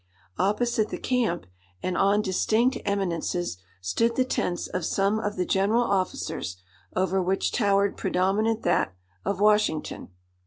Opposite the camp, and on distinct eminences, stood the tents of some of the general officers, over which towered predominant that of Washington.